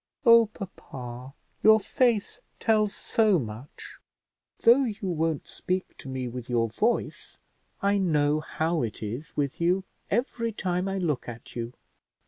Oh! papa, your face tells so much; though you won't speak to me with your voice, I know how it is with you every time I look at you."